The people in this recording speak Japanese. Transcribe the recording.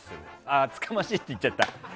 あ、厚かましいって言っちゃった。